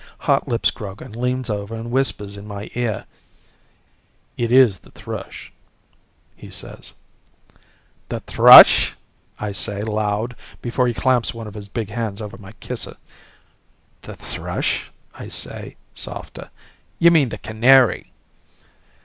Hotlips Grogan leans over and whispers in my ear. "It is the thrush," he says. "The thrush?" I say, loud, before he clamps one of his big hands over my kisser. "The thrush," I say, softer; "you mean the canary?"